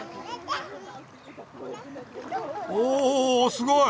おおすごい！